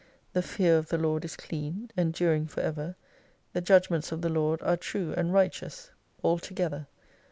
The fear of the Lord is cleatt, enduring for ever ; the judgments of the Lord are true and righteous 217 altogether.